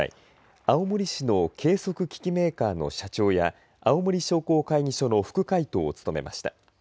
青森市の計測機器メーカーの社長や青森商工会議所の副会頭を務めました。